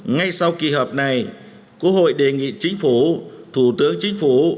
ngay sau kỳ họp này quốc hội đề nghị chính phủ thủ tướng chính phủ